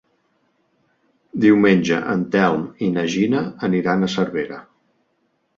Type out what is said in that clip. Diumenge en Telm i na Gina aniran a Cervera.